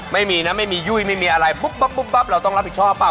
ไม่มีนะไม่มียุ้ยไม่มีอะไรปุ๊บเราต้องรับผิดชอบหรือเปล่า